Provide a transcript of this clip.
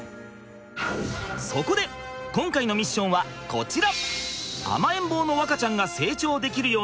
そこで今回のミッションはこちら！